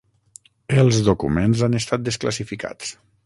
Els documents han estat desclassificats